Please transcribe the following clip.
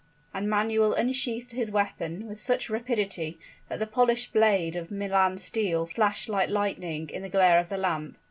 And Manuel unsheathed his weapon with such rapidity that the polished blade of Milan steel flashed like lightning in the glare of the lamp.